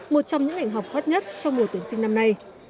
một trong những ngành học khoát nhất trong mùa tuyển sinh năm nay